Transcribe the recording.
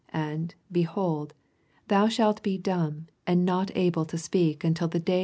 20 And, behold, thoa shalt be damb, and not able to speak, until the day